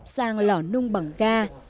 sang lò nung bằng ga